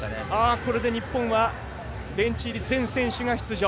これで日本はベンチ入り選手全員が出場。